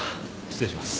失礼します。